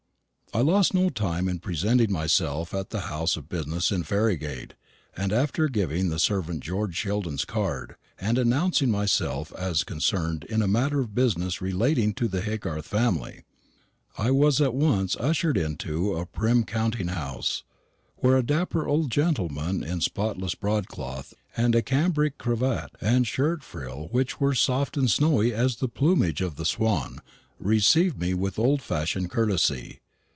I lost no time in presenting myself at the house of business in Ferrygate, and after giving the servant George Sheldon's card, and announcing myself as concerned in a matter of business relating to the Haygarth family, I was at once ushered into a prim counting house, where a dapper little old gentleman in spotless broadcloth, and a cambric cravat and shirt frill which were soft and snowy as the plumage of the swan, received me with old fashioned courtesy.